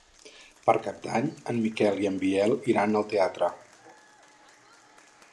Per Cap d'Any en Miquel i en Biel iran al teatre.